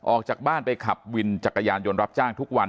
ออกจากบ้านไปขับวินจักรยานยนต์รับจ้างทุกวัน